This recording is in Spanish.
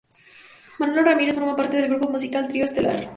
Manolo Ramírez forma parte del grupo musical ‘Trío Estelar’.